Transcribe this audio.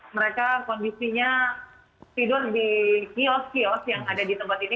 mereka kondisinya tidur di kios kios yang ada di tempat ini